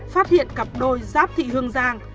phát hiện cặp đôi giáp thị hương giang